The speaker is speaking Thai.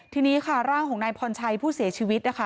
ทีนี้ค่ะร่างของนายพรชัยผู้เสียชีวิตนะคะ